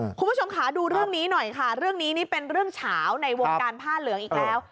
คุณผู้ชมค่ะดูเรื่องนี้หน่อยค่ะเรื่องนี้นี่เป็นเรื่องเฉาในวงการผ้าเหลืองอีกแล้ว